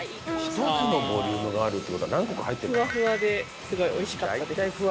１つのボリュームがあるって事は何個か入ってるんだ。